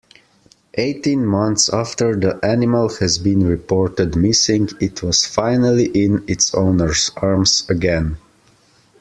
Eighteen months after the animal has been reported missing it was finally in its owner's arms again.